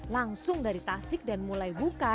langsung dari tasik dan mulai buka